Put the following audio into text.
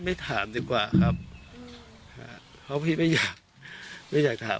ไม่ถามดีกว่าครับเพราะพี่ไม่อยากไม่อยากถาม